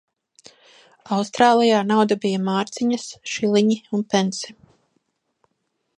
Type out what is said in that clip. Austrālijā nauda bija mārciņas, šiliņi un pensi.